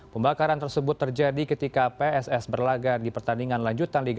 pembakaran tersebut terjadi ketika pss berlaga di pertandingan lanjutan liga satu